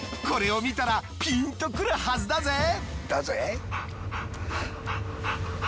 これを見たらピンとくるはずだぜ！